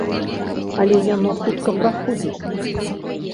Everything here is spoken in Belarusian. Але яно хутка праходзіць.